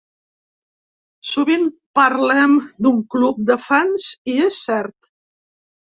Sovint parlem d’un club de fans i és cert.